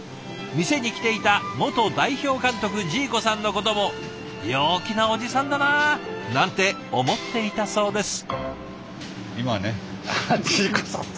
店に来ていた元代表監督ジーコさんのことも「陽気なおじさんだな」なんて思っていたそうです。